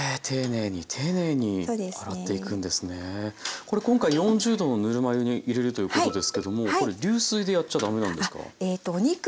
これ今回４０℃のぬるま湯に入れるということですけどもこれ流水でやっちゃ駄目なんですか？